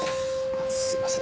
すいません。